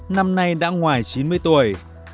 năm nay đã ngoài chín mươi tuổi